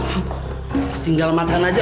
lama banget sih ini makanannya